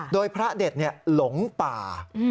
โดยพระเด็ดหลงป่า